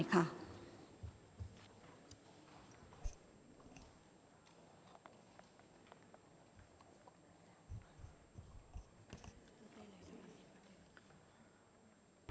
ออกรางวัลที่๖